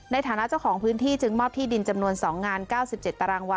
ในฐานะเจ้าของพื้นที่จึงมอบที่ดินจำนวน๒งาน๙๗ตารางวา